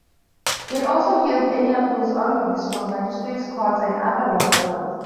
It also hears any appeals or reviews from magistrates' courts and other lower courts.